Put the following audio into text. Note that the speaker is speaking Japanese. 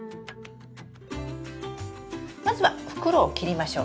まずは袋を切りましょう。